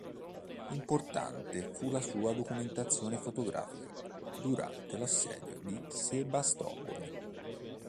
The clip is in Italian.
Importante fu la sua documentazione fotografica durante l'assedio di Sebastopoli.